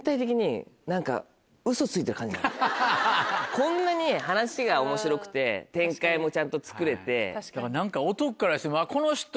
こんなに話がおもしろくて展開もちゃんとつくれて。